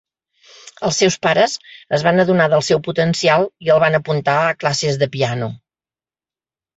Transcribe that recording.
Els seus pares es van adonar del seu potencial i el van apuntar a classes de piano.